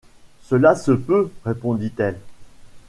Cela se peut, répondit-elle